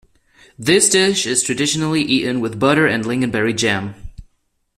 This dish is traditionally eaten with butter and lingonberry jam.